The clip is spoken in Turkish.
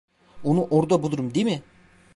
Onu orada bulurum değil mi?